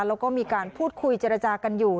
แล้วก็มีการพูดคุยเจรจากันอยู่